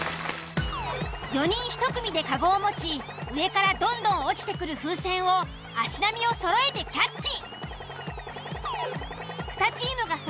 ４人１組でカゴを持ち上からどんどん落ちてくる風船を足並みをそろえてキャッチ。